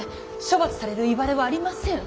処罰されるいわれはありません。